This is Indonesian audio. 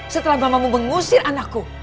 setelah mamamu mengusir anakku